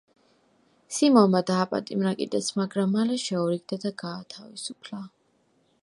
სიმონმა დააპატიმრა კიდეც, მაგრამ მალე შეურიგდა და გაათავისუფლა.